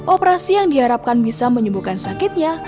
operasi yang diharapkan bisa menyembuhkan sakitnya